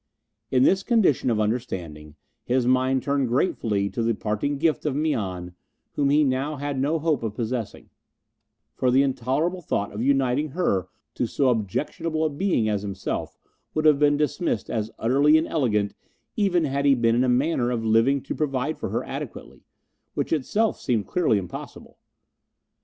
In this condition of understanding his mind turned gratefully to the parting gift of Mian whom he had now no hope of possessing; for the intolerable thought of uniting her to so objectionable a being as himself would have been dismissed as utterly inelegant even had he been in a manner of living to provide for her adequately, which itself seemed clearly impossible.